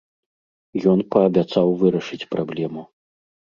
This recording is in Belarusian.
Ён паабяцаў вырашыць праблему.